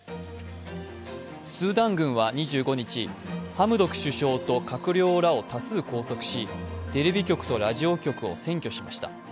スーダン軍は２５日、ハムドク首相と閣僚らを多数拘束しテレビ局とラジオ局を占拠しました。